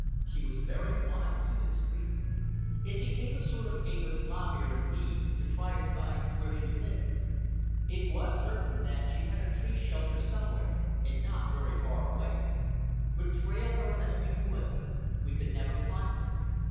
She was very wise and very discreet. It became a sort of game with Lop Ear and me to try to find where she lived. It was certain that she had a tree shelter somewhere, and not very far away; but trail her as we would, we could never find it.